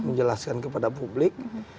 menjelaskan kepada publik